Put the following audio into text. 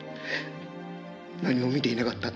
「何も見ていなかった。